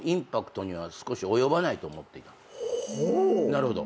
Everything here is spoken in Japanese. なるほど。